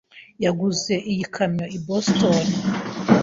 yaguze iyi kamyo i Boston.